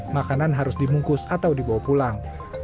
makanan harus dibungkus atau dibawa pulang